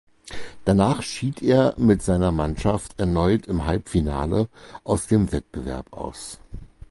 Danach schied er mit seiner Mannschaft erneut im Halbfinale aus dem Wettbewerb aus.